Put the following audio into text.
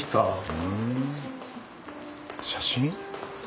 うん写真？